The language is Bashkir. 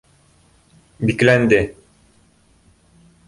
бикләнде